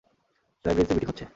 লাইব্রেরিতে মিটিং হচ্ছে।